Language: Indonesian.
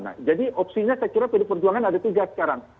nah jadi opsinya saya kira pd perjuangan ada tiga sekarang